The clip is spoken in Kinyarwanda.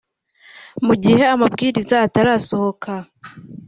Mu gihe amabwiriza atarasohoka